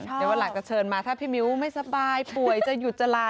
เดี๋ยววันหลังจะเชิญมาถ้าพี่มิ้วไม่สบายป่วยจะหยุดจะลา